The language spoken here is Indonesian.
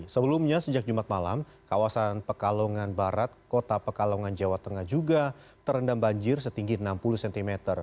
sebelumnya sejak jumat malam kawasan pekalongan barat kota pekalongan jawa tengah juga terendam banjir setinggi enam puluh cm